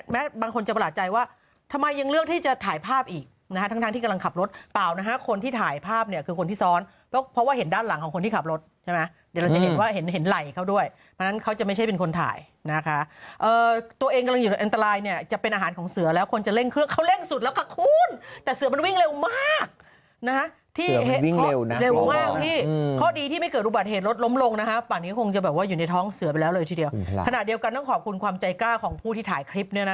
แม้บางคนจะประหลาดใจว่าทำไมยังเลือกที่จะถ่ายภาพอีกนะทั้งทางที่กำลังขับรถเปล่านะฮะคนที่ถ่ายภาพเนี่ยคือคนที่ซ้อนเพราะว่าเห็นด้านหลังของคนที่ขับรถใช่ไหมเดี๋ยวเราจะเห็นว่าเห็นเห็นไหล่เข้าด้วยเพราะนั้นเขาจะไม่ใช่เป็นคนถ่ายนะคะตัวเองกำลังอยู่ในอันตรายเนี่ยจะเป็นอาหารของเสือแล้วคนจะเล่งเครื่องเข